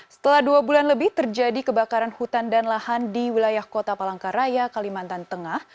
setelah dua bulan lebih terjadi kebakaran hutan dan lahan di wilayah kota palangkaraya kalimantan tengah